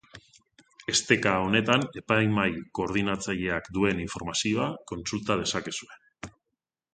Esteka honetan Epaimahai Koordinatzaileak duen informazioa kontsulta dezakezue.